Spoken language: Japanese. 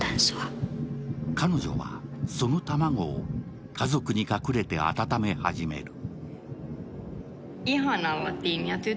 彼女は、その卵を家族に隠れて温め始める。